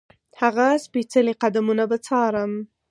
هغه سپېڅلي قدمونه به څارم.